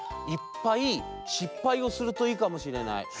いっぱいしっぱいをするといいかもしれない。